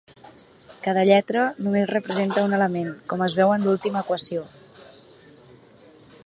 Cada lletra només representa un element: com es veu en l’última equació.